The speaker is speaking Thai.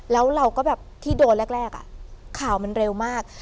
แล้วเราก็แบบที่โดนแรกข่าวมันเร็วมาก